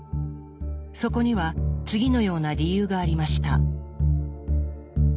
そこには次のような理由がありました。